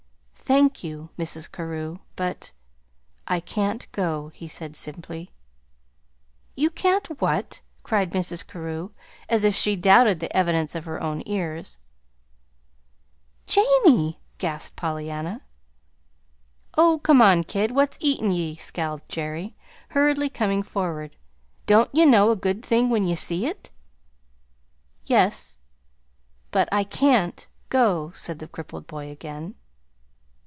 "Thank you, Mrs. Carew, but I can't go," he said simply. "You can't what?" cried Mrs. Carew, as if she doubted the evidence of her own ears. "Jamie!" gasped Pollyanna. "Oh, come, kid, what's eatin' ye?" scowled Jerry, hurriedly coming forward. "Don't ye know a good thing when ye see it?" "Yes; but I can't go," said the crippled boy, again.